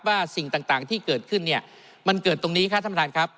สิ่งต่างที่เกิดขึ้นเนี่ยมันเกิดตรงนี้ครับท่านประธานครับ